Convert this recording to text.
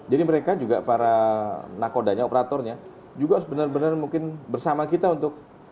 jadi mereka juga para nakodanya operatornya juga harus benar benar mungkin bersama kita untuk